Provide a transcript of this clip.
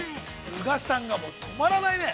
宇賀さんが、もう止まらないね。